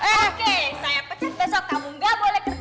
oke saya pecat besok kamu gak boleh ketemu